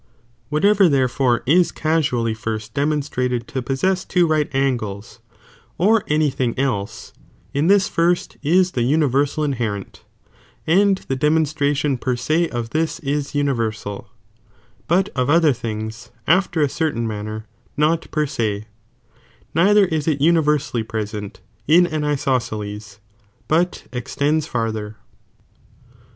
Whatever therefore ia casually first demonstrated to possess two right angles, or any tliiog else, ia this first is the universal inherent, and the demonstratioa per se of this is universal, but of other things afler a certain manner not per se, neither is it universallj present in >^^ isosceles, but extends farther.